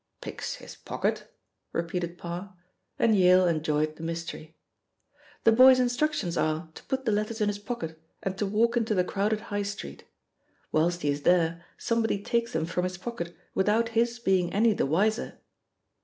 "Picks his pocket?" repeated Parr, and Yale enjoyed the mystery. "The boy's instructions are to put the letters in his pocket, and to walk into the crowded High Street. Whilst he is there somebody takes them from his pocket without his being any the wiser."